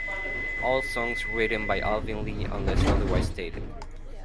All songs written by Alvin Lee unless otherwise stated.